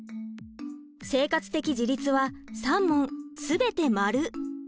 生活的自立は３問全て○！